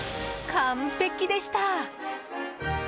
完璧でした！